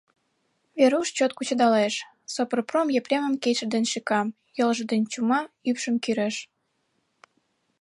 Веруш чот кучедалеш, Сопрпром Епремым кидше дене шӱка, йолжо дене чума, ӱпшым кӱреш.